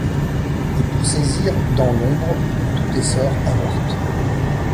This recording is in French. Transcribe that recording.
Et pour saisir, dans l’ombre où tout essor avorte